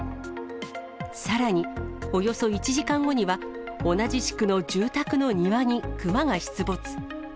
さらに、およそ１時間後には、同じ地区の住宅の庭にクマが出没。